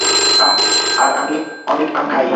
আহ, আর আমি অনেক আম খাই।